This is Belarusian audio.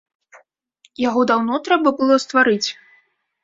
Яго даўно трэба было стварыць.